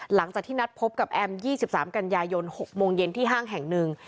หลังจากที่นัดพบกับแอม๒๓กันยายน๖โมงเย็นที่ห้างแห่งหนึ่ง